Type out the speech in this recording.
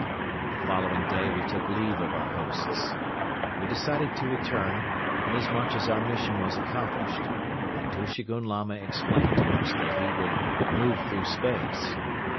The following day we took leave of our hosts. We decided to return, inasmuch as our mission was accomplished; and Tushegoun Lama explained to us that he would "move through space."